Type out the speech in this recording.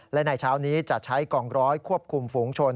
และในเช้านี้จะใช้กองร้อยควบคุมฝูงชน